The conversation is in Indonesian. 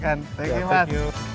thank you mas